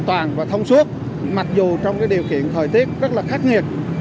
thông suốt mặc dù trong điều kiện thời tiết rất khắc nghiệt